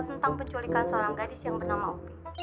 tentang penculikan seorang gadis yang bernama opi